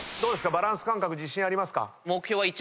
バランス感覚自信ありますか？